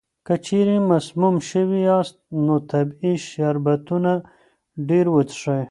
که چېرې مسموم شوي یاست، نو طبیعي شربتونه ډېر وڅښئ.